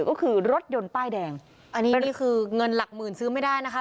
ก็คือรถยนต์ป้ายแดงอันนี้นี่คือเงินหลักหมื่นซื้อไม่ได้นะคะ